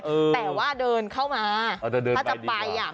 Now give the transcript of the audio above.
แต่ว่าเดินเข้ามาถ้าจะไปมันไม่สะดวก